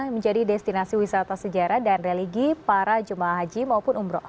menjadi destinasi wisata sejarah dan religi para jemaah haji maupun umroh